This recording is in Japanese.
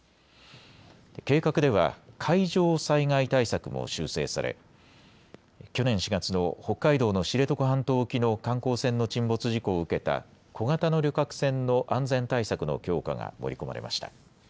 計画では海上災害対策も修正され去年４月の北海道の知床半島沖の観光船の沈没事故を受けた小型の旅客船の安全対策の強化が盛り込まれました。